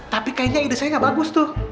tapi kayaknya ide saya gak bagus tuh